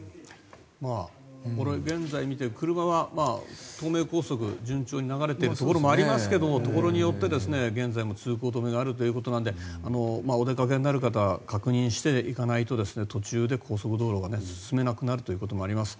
現在見て車は東名高速、順調に流れているところもありますけどもところによって現在も通行止めがあるということなのでお出かけになる方は確認して、行かないと途中で高速道路、進めなくなるということもあります。